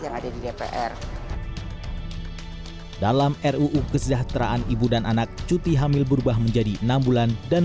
yang ada di dpr dalam ruu kesejahteraan ibu dan anak cuti hamil berubah menjadi enam bulan dan